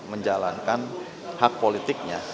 menjalankan hak politiknya